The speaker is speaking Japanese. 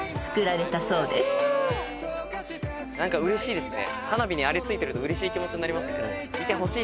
何かうれしいですね。